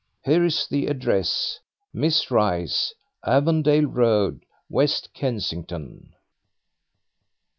Here is the address Miss Rice, Avondale Road, West Kensington."